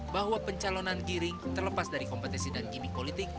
bahwa pencalonan giring terlepas dari kompetisi dan gimmick politik